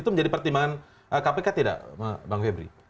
itu menjadi pertimbangan kpk tidak bang febri